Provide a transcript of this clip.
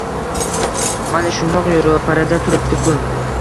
Mana shundoq ro‘parada turibdi-ku